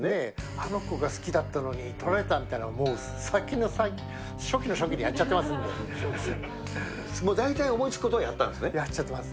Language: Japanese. あの子が好きだったのに取られたみたいなのもう先の先、初期の初もう大体思いつくことはやっやっちゃってます。